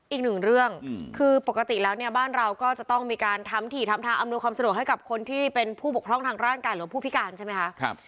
อีกหนึ่งเรื่องคือปกติแล้วเนี่ยบ้านเราก็จะต้องมีการทำถี่ทำทางอำนวยความสะดวกให้กับคนที่เป็นผู้บกพร่องทางร่างกายหรือผู้พิการใช่ไหมคะ